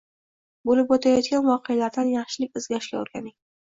bo‘lib o‘tayotgan voqealardan yaxshilik izlashga o'rgating.